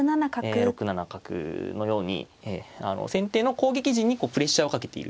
え６七角のように先手の攻撃陣にプレッシャーをかけている。